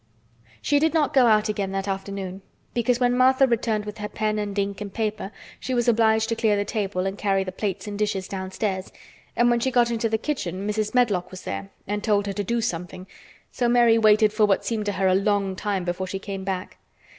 She did not go out again that afternoon because when Martha returned with her pen and ink and paper she was obliged to clear the table and carry the plates and dishes downstairs and when she got into the kitchen Mrs. Medlock was there and told her to do something, so Mary waited for what seemed to her a long time before she came back.